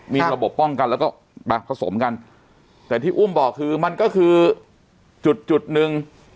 มีระบบป้องกันแล้วก็มาผสมกันแต่ที่อุ้มบอกคือมันก็คือจุดจุดหนึ่ง